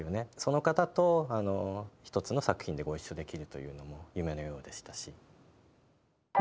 その方と１つの作品でご一緒できるというのも夢のようでしたし。